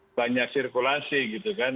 bisa lebih banyak sirkulasi gitu kan